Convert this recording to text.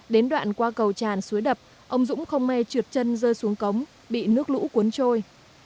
đến đoạn qua cầu tràn suối đập ông dũng không mê trượt chân rơi xuống cống bị nước lũ cuốn trôi